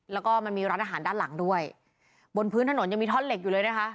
แล้วก็มันมีร้านอาหารด้านหลังด้วยบนพื้นถนนยังมีท่อนเหล็กอยู่เลยนะคะ